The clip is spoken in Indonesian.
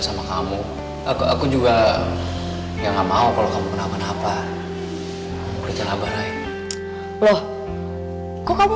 sama kamu aku juga ya nggak mau kalau kamu kenapa kenapa kerja nabah ray loh kok kamu